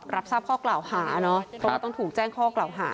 รับทราบข้อกล่าวหาเนอะเพราะว่าต้องถูกแจ้งข้อกล่าวหา